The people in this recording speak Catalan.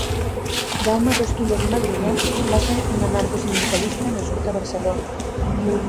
Jaume Rosquillas i Magrinyà va ser un anarcosindicalista nascut a Barcelona.